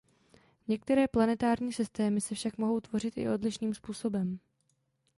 Některé planetární systémy se však mohou tvořit i odlišným způsobem.